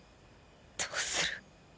どうする